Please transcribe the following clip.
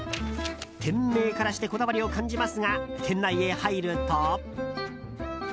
店名からして、こだわりを感じますが、店内へ入ると。